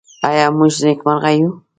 آیا موږ نېکمرغه یو؟